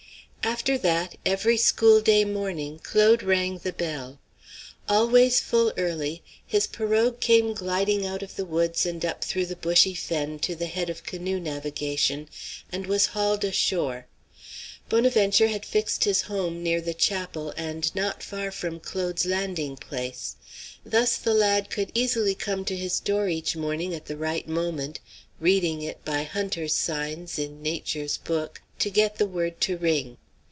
After that, every school day morning Claude rang the bell. Always full early his pirogue came gliding out of the woods and up through the bushy fen to the head of canoe navigation and was hauled ashore. Bonaventure had fixed his home near the chapel and not far from Claude's landing place. Thus the lad could easily come to his door each morning at the right moment reading it by hunter's signs in nature's book to get the word to ring.